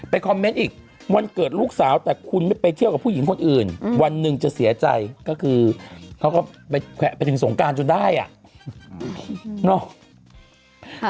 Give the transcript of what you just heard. คอมเมนต์อีกวันเกิดลูกสาวแต่คุณไม่ไปเที่ยวกับผู้หญิงคนอื่นวันหนึ่งจะเสียใจก็คือเขาก็ไปแขวะไปถึงสงการจนได้อ่ะเนาะ